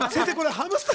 ハムスター？